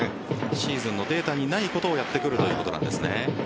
シーズンのデータにないことをやってくるということなんですね。